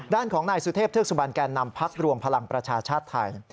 ด้านของนายสุเทพเทือกสุบันแก่นำพักรวมพลังประชาชาติไทย